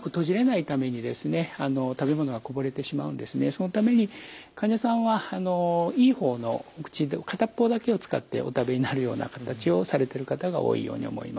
これはそのために患者さんはいい方の口片っぽだけを使ってお食べになるような形をされてる方が多いように思います。